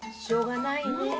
しょうがないね。